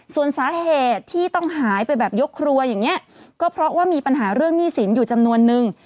ส่วนสาเหตุที่ต้องหายไปแบบยกครัวอย่างนี้ก็เพราะว่ามีปัญหาเรื่องหนี้สินอยู่จำนวนนึง